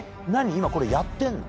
今これやってんの？